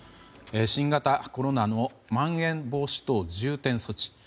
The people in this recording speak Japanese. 新型コロナのまん延防止等重点措置。